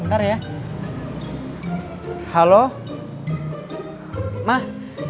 indra di tempat jualan es kelapa muda mah